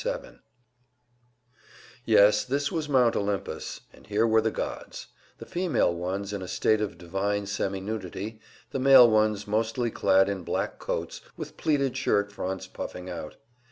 Section 37 Yes, this was Mount Olympus, and here were the gods: the female ones in a state of divine semi nudity, the male ones mostly clad in black coats with pleated shirt fronts puffing out.